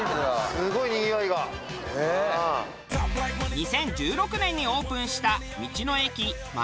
２０１６年にオープンした道の駅ましこ。